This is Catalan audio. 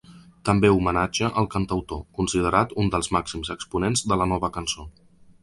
També homenatja el cantautor, considerat un dels màxims exponents de la Nova cançó.